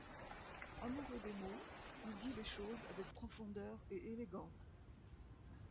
Amoureux des mots, il dit les choses avec profondeur et élégance.